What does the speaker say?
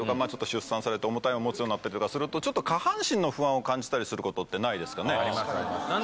出産されて重たい物持つようになったりすると下半身の不安を感じたりすることってないですかね？